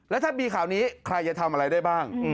แล้วถ้ามีข่าวนี้ใครจะทำอะไรได้บ้าง